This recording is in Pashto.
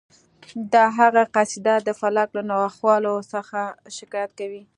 د هغه قصیده د فلک له ناخوالو څخه شکایت کوي